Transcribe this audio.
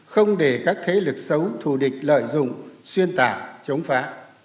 không để các thế lực xấu thù địch lợi dụng xuyên tạc chống phá